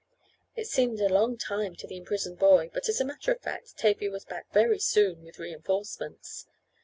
It seemed a long time to the imprisoned boy, but as a matter of fact, Tavia was back very soon with "reinforcements."